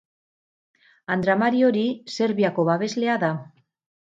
Andra Mari hori Serbiako babeslea da.